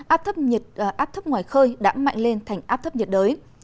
áp thấp ngoài khơi đã mạnh lên thành áp thấp nhiệt đới